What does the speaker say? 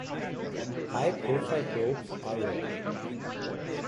High profile probes are rare.